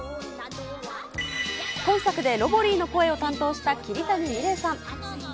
今作でロボリィの声を担当した桐谷美玲さん。